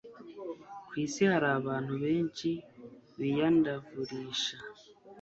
Ku isi hari abantu benshi biyandavurisha